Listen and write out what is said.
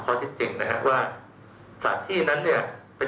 ก็ได้ชื่อว่าเป็นลักลอบเล่นการพนันนะครับ